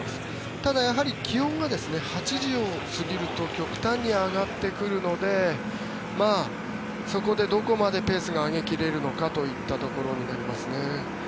ただ、やはり気温が８時を過ぎると極端に上がってくるのでそこでどこまでペースが上げ切れるのかといったところになりますね。